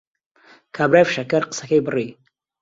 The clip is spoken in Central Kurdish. کابرای فشەکەر قسەکەی بڕی